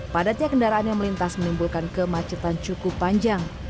padatnya kendaraan yang melintas menimbulkan kemacetan cukup panjang